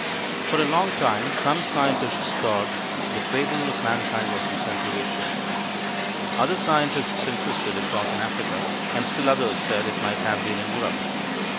For a long time some scientists thought the "cradle of mankind" was in central Asia. Other scientists insisted it was in Africa, and still others said it might have been in Europe.